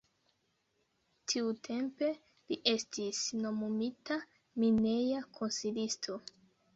Tiutempe li estis nomumita mineja konsilisto.